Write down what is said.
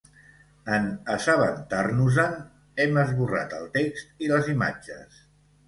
En assabentar-nos-en, hem esborrat el text i les imatges.